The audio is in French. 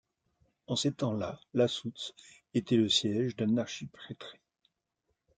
En ces temps-là Lassouts était le siège d’un archiprêtré.